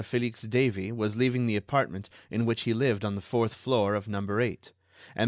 Felix Davey was leaving the apartment in which he lived on the fourth floor of No. 8; and Mon.